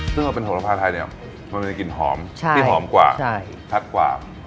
ซึ่งพอเป็นหัวลำพาไทยเนี่ยมันมีกลิ่นหอมที่หอมกว่าชัดกว่า